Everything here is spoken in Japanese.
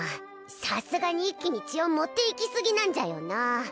さすがに一気に血を持っていきすぎなんじゃよなあ